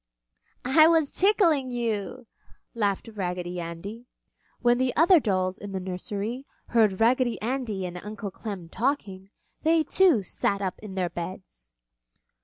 "I was tickling you!" laughed Raggedy Andy. When the other dolls in the nursery heard Raggedy Andy and Uncle Clem talking, they too sat up in their beds.